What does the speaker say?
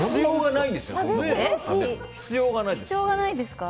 必要がないでしょ。